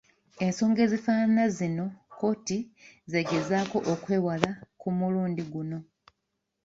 Ensonga ezifaanana zino kkooti z'egezaako okwewala ku mulundi guno.